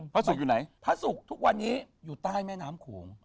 ศุกร์อยู่ไหนพระศุกร์ทุกวันนี้อยู่ใต้แม่น้ำโขง